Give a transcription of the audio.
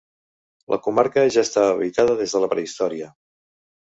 La comarca ja estava habitada des de la prehistòria.